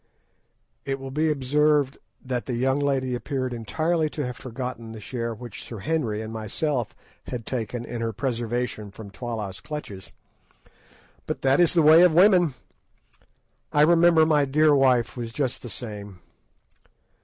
It will be observed that the young lady appeared entirely to have forgotten the share which Sir Henry and myself had taken in her preservation from Twala's clutches. But that is the way of women! I remember my dear wife was just the same.